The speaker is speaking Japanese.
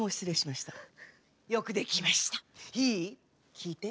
きいて。